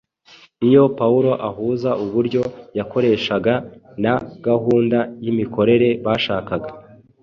Iyo Pawulo ahuza uburyo yakoreshaga na gahunda y’imikorere bashakaga